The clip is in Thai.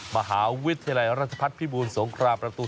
มหาวิทยาลัยราชพัฒน์พิบูรสงครามประตู๔